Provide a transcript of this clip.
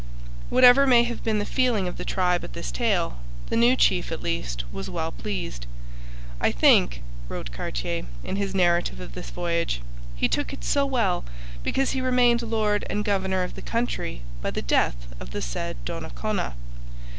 Whatever may have been the feeling of the tribe at this tale, the new chief at least was well pleased. 'I think,' wrote Cartier, in his narrative of this voyage, 'he took it so well because he remained lord and governor of the country by the death of the said Donnacona.'